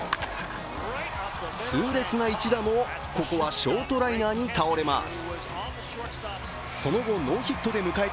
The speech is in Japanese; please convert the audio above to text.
痛烈な一打もここはショートライナーに倒れます。